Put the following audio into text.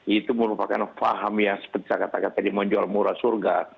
itu merupakan paham yang seperti kata kata tadi menjual murah surga